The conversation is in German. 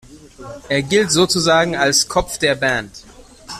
Er gilt sozusagen als „Kopf der Band“.